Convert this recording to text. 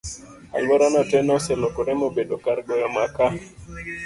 alwora no te noselokore mobedo kar goyo maka